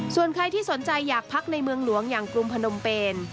ส่วนใครที่สนใจอยากพักในเมืองหลวงอย่างกรุงพนมเปน